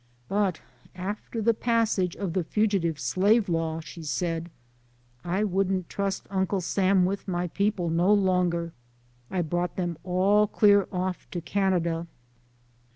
But after the passage of the Fugitive Slave law, she said, " I wouldn't trust Un cle Sam wid my people no longer ; I brought 'em all clar off to Canada."